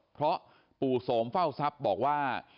เพราะปู่โสมเฝ้าทรัพย์บอกว่า